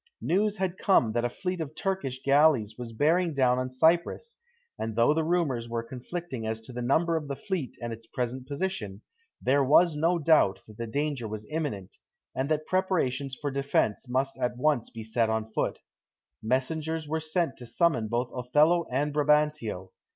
News had come that a fleet of Turkish galleys was bearing down on Cyprus; and though the rumours were conflicting as to the number of the fleet and its present position, there was no doubt that the danger was imminent, and that preparations for defence must at once be set on foot. Messengers were sent to summon both Othello and Brabantio.